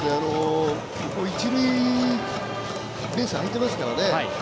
一塁ベース空いてますからね